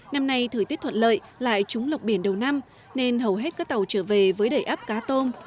năm nay thời tiết thuận lợi lại trúng lọc biển đầu năm nên hầu hết các tàu trở về với đẩy áp cá tôm